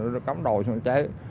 nó cắm đầu xuống cháy